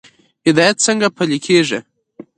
هدایت څنګه پلی کیږي؟